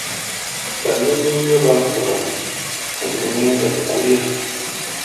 Bananyini yo bankuba kati ngenda ku kulya.